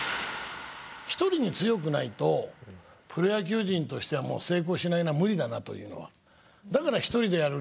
一人に強くないとプロ野球人としてはもう成功しないな無理だなというのは。